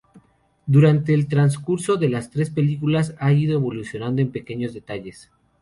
Durante el transcurso de las tres películas ha ido evolucionando en pequeños detalles.